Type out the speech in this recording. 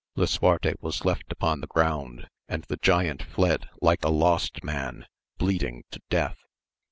Lisuarte was left upon the ground, and the giant fled like a lost man, bleeding to death.